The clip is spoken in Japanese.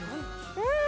うん